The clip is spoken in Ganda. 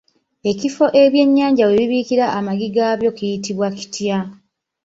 Ekifo ebyennyanja we bibiikira amagi gaabyo kiyitibwa kitya?